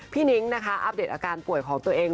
นิ้งนะคะอัปเดตอาการป่วยของตัวเอง